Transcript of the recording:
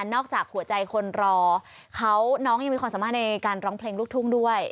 อกจากหัวใจคนรอเขาน้องยังมีความสามารถในการร้องเพลงลูกทุ่งด้วย